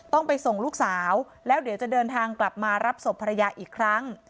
ต้องไปส่งลูกสาวแล้วเดี๋ยวจะเดินทางกลับมารับศพภรรยาอีกครั้ง